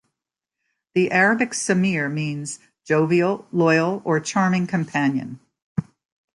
The Arabic Samir means: jovial, loyal or charming companion.